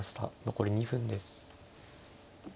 残り２分です。